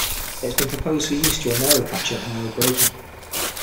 It has been proposed for use during aerocapture and aerobraking.